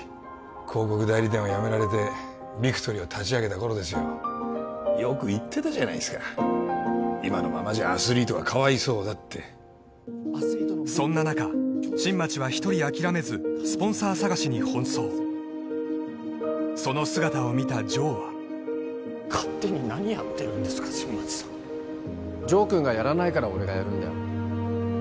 広告代理店を辞められてビクトリーを立ち上げた頃ですよよく言ってたじゃないですか今のままじゃアスリートがかわいそうだってそんな中新町は１人諦めずスポンサー探しに奔走その姿を見た城は勝手に何やってるんですか新町さん城君がやらないから俺がやるんだよ